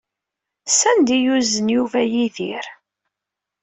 Sanda ay yuzen Yuba Yidir?